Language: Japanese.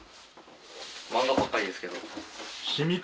漫画ばっかりですけど。